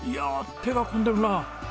手が込んでるな。